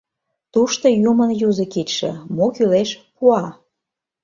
Тушто Юмын юзо кидше Мо кӱлеш — пуа.